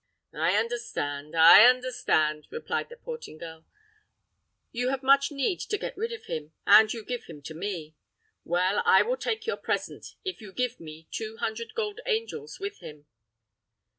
"I understand, I understand," replied the Portingal; "you have much need to get rid of him, and you give him to me. Well, I will take your present, if you give me two hundred golden angels with him."